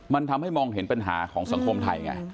มันทำให้มองเห็นปัญหาของสังคมไทยไง